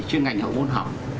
chuyên ngành hậu môn học